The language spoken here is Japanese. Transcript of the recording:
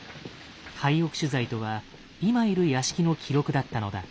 「廃屋取材」とは今いる屋敷の記録だったのだ。